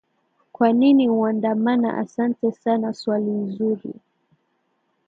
kwa nini uandamana asante sana swali nzuri